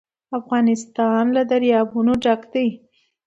افغانستان له دریابونه ډک دی.